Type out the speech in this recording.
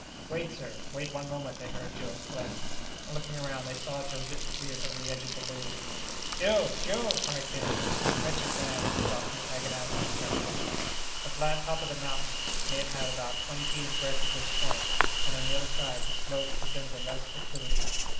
"Wait, sir; wait one moment!" they heard Joe exclaim, and, looking around, they saw Joe disappear over the edge of the balloon. "Joe! Joe!" cried Kennedy. "Wretched man!" was the doctor's agonized expression. The flat top of the mountain may have had about twenty feet in breadth at this point, and, on the other side, the slope presented a less declivity.